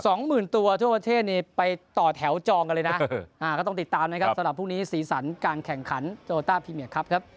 สองหมื่นตัวทั่วประเทศเนี่ยไปต่อแถวจองกันเลยนะก็ต้องติดตามนะครับสำหรับพรุ่งนี้สีสันการแข่งขันโตต้าพรีเมียครับครับ